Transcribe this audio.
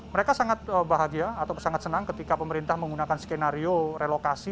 mereka sangat bahagia atau sangat senang ketika pemerintah menggunakan skenario relokasi